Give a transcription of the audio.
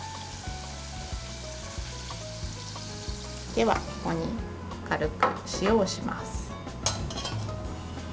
では、ここに軽く塩をします。